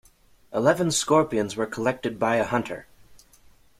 Eleven scorpions were collected by a hunter.